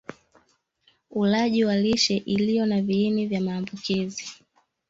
Ulaji wa lishe iliyo na viini vya maambukizi